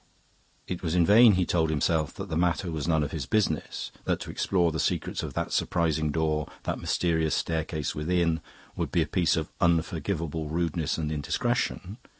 It was in vain he told himself that the matter was none of his business, that to explore the secrets of that surprising door, that mysterious staircase within, would be a piece of unforgivable rudeness and indiscretion.